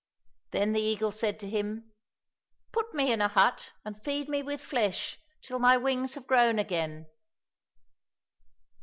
Then the eagle said to him, " Put me in a hut, and feed me with flesh till my wings have grown again."